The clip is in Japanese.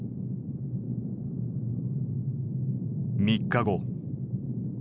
３日後。